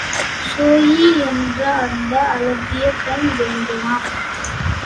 Zoe என்ற அந்த அழகிய பெண் வேண்டுமா?